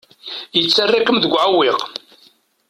Yettarra-kem deg uɛewwiq.